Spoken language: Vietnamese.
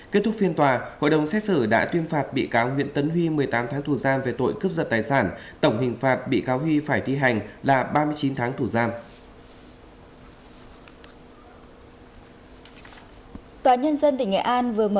kết thúc phiên tòa hội đồng xét xử đã tuyên phạt bị cáo nguyễn tấn huy một mươi tám tháng tù giam về tội cướp giật tài sản tổng hình phạt bị cáo huy phải thi hành là ba mươi chín tháng tù giam